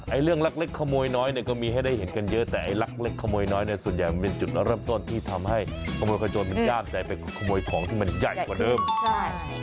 เรื่องลักเล็กขโมยน้อยเนี่ยก็มีให้ได้เห็นกันเยอะแต่ไอ้ลักเล็กขโมยน้อยเนี่ยส่วนใหญ่มันเป็นจุดเริ่มต้นที่ทำให้ขโมยขโจนมันก้ามใจไปขโมยของที่มันใหญ่กว่าเดิมใช่